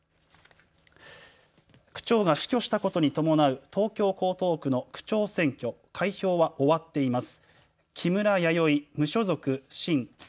区長が死去したことに伴う東京江東区の区長選挙、開票は終わっています。